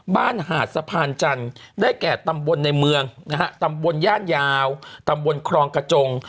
หาดสะพานจันทร์ได้แก่ตำบลในเมืองนะฮะตำบลย่านยาวตำบลครองกระจง